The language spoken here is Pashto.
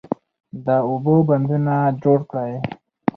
د اوبو بندونه جوړ کړئ.